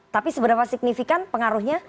tapi seberapa signifikan pengaruhnya